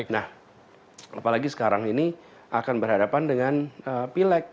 nah apalagi sekarang ini akan berhadapan dengan pileg